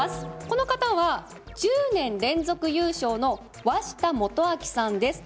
この方は１０年連続優勝の鷲田基章さんです